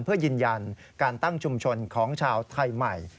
เพื่อยืนยันการตั้งชุมชนของชาวไทยใหม่